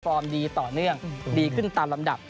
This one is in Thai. ดีต่อเนื่องดีขึ้นตามลำดับ